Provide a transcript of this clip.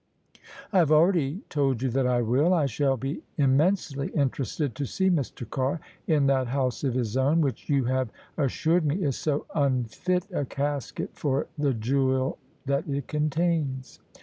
" I have already told you that I will. I shall be im mensely interested to see Mr. Carr in that house of his own, which you have assured me is so unfit a casket for the jewel that it contains."